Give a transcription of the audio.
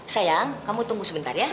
sayang kamu tunggu sebentar ya